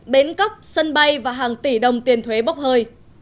bến cóc sân bay và hàng tỷ đồng tiền thuế bốc hơi